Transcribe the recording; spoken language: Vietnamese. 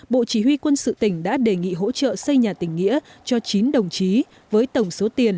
hai nghìn một mươi sáu bộ chỉ huy quân sự tỉnh đã đề nghị hỗ trợ xây nhà tỉnh nghĩa cho chín đồng chí với tổng số tiền